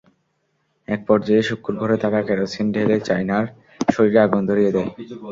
একপর্যায়ে শুক্কুর ঘরে থাকা কেরোসিন ঢেলে চায়নার শরীরে আগুন ধরিয়ে দেয়।